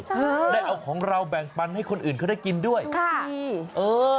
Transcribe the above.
ใช่ได้เอาของเราแบ่งปันให้คนอื่นเขาได้กินด้วยค่ะดีเออ